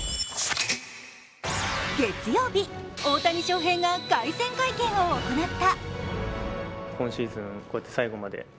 月曜日、大谷翔平が凱旋会見を行った。